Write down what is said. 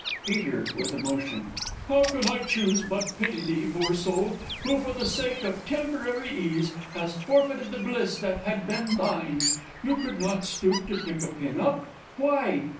Peter (with emotion). How can I choose but pity thee, poor soul, Who, for the sake of temporary ease, Hast forfeited the bliss that had been thine! You could not stoop to pick a pin up. Why?